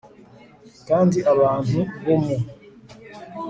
kandi abantu bo mu